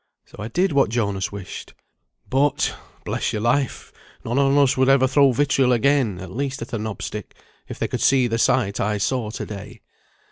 So I did what Jonas wished. But bless your life, none on us would ever throw vitriol again (at least at a knob stick) if they could see the sight I saw to day.